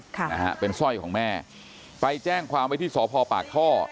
ค่ะนะฮะเป็นสร้อยของแม่ไปแจ้งความไว้ที่สพปากท่อ